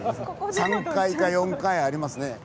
３回か４回ありますね。